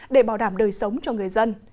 để bảo đảm đời sống cho người dân